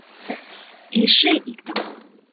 Эше иктым!